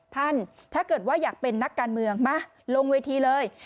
ท่านถ้าเกิดว่าอยากเป็นนักการเมืองมาลงเวทีเลย